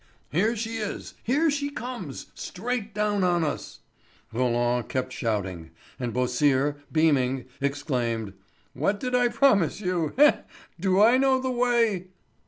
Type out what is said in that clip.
"Here she is—here she comes, straight down on us!" Roland kept shouting; and Beausire, beaming, exclaimed: "What did I promise you! Heh! Do I know the way?"